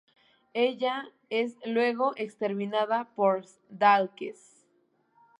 Ella es luego exterminada por Daleks.